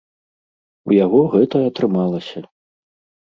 У яго гэта атрымалася.